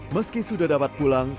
meski sudah dapat pulang